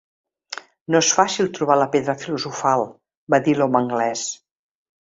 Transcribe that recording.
"No és fàcil trobar la pedra filosofal", va dir l'home anglès.